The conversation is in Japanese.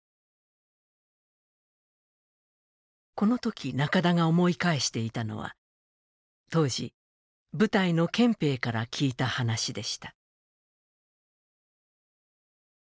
このとき、中田が思い返していたのは当時、部隊の憲兵から聞いた話でした。